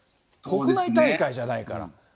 国内大会じゃないから。